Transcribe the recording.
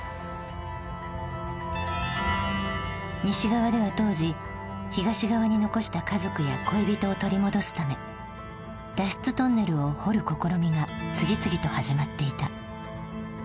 西側では当時東側に残した家族や恋人を取り戻すため脱出トンネルを掘る試みが次々と始まっていた。